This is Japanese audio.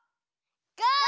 ゴー！